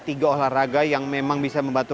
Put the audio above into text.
tiga olahraga yang memang bisa membantu